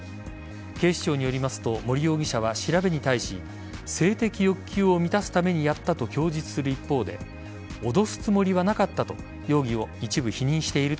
警視庁によりますと森容疑者は調べに対し性的欲求を満たすためにやったと供述する一方で脅すつもりはなかったと容疑を一部否認している